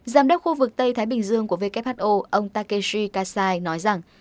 giám đốc khu vực tây thái bình dương của who ông takeshi kassai nói rằng